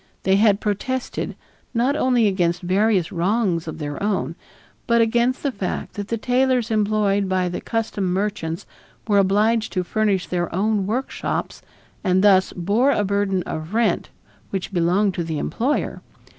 They had protested, not only against various wrongs of their own, but against the fact that the tailors employed by the custom merchants were obliged to furnish their own workshops and thus bore a burden of rent which belonged to the employer.